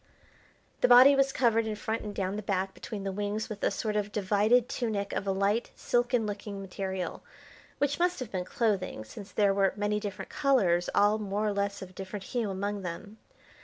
The body was covered in front and down the back between the wings with a sort of divided tunic of a light, silken looking material, which must have been clothing, since there were many different colours all more or less of different hue among them.